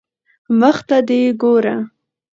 مخ ته دي ګوره